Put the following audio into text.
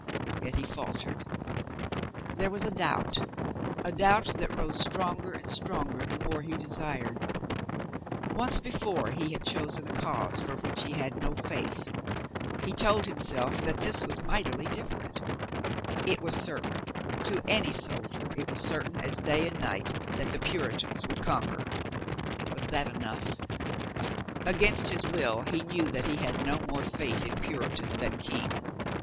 Yet he faltered. There was a doubt, a doubt that rose stronger and stronger the more he desired. Once before he had chosen a cause for which he had no faith. He told himself that this was mightily different. It was cer tain, to any soldier it was certain as day and night, that the Puritans would conquer. Was that enough ? 458 COLONEL GREATHEART Against his will he knew that he had no more faith in Puritan than King.